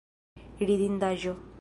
Ridindaĵo!